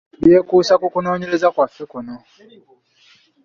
Byekuusa ku kunoonyereza kwaffe kuno.